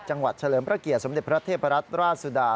เฉลิมพระเกียรติสมเด็จพระเทพรัตนราชสุดา